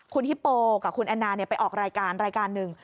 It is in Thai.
คุณฮิปโปกับคุณแอนนาไปออกรายการรายการหนึ่ง